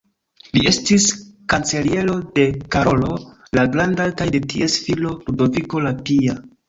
Li estis kanceliero de Karolo la Granda kaj de ties filo Ludoviko la Pia.